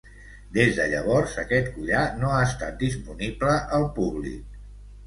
Des de llavors, aquest collar no ha estat disponible al públic.